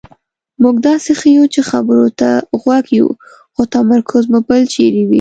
مونږ داسې ښیو چې خبرو ته غوږ یو خو تمرکز مو بل چېرې وي.